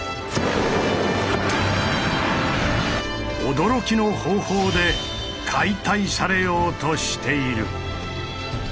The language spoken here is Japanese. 驚きの方法で解体されようとしている。